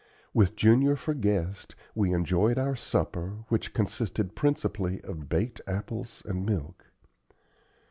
With Junior for guest, we enjoyed our supper, which consisted principally of baked apples and milk.